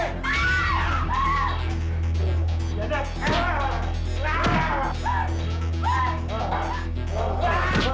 leng tarik jualan kaki anda repotnya